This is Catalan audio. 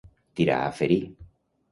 Tirar a ferir.